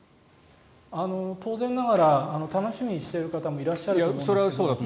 当然ながら楽しみにしている方もいらっしゃると思うんです。